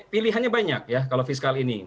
pilihannya banyak ya kalau fiskal ini